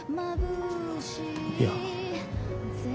いや。